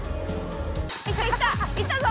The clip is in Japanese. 「いったいった！いったぞ！」